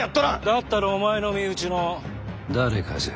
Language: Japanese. だったらお前の身内の誰かじゃ。